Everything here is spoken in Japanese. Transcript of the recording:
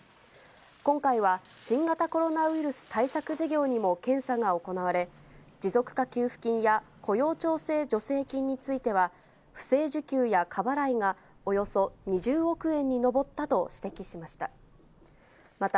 今回は、新型コロナウイルス対策事業にも検査が行われ、持続化給付金や、雇用調整助成金については、不正受給や過払いがおよそ２０億円に上ったと指摘しました。